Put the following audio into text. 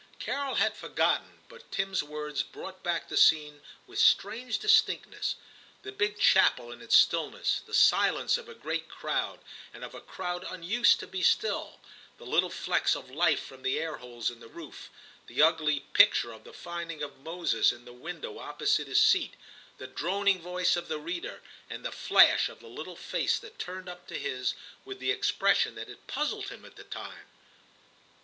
Carol had forgotten, but Tim's words brought back the scene with strange distinct ness : the big chapel in its stillness, the silence of a great crowd, and of a crowd unused to be still, the little flecks of light from the air holes in the roof, the ugly picture of the finding of Moses in the window opposite his seat, the droning voice of the reader, and the flash of the little face that turned up to his, with the expression that had puzzled him at the time.